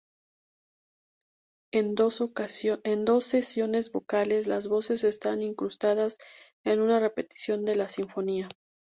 En dos secciones vocales las voces están incrustadas en una repetición de la sinfonía.